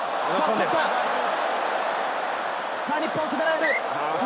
日本、攻められる。